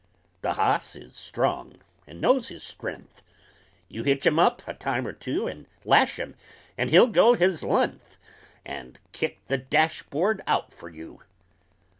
The hoss is strong, and knows his stren'th, You hitch him up a time er two And lash him, and he'll go his len'th And kick the dashboard out fer you!